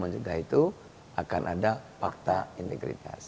dan setelah itu akan ada fakta integritas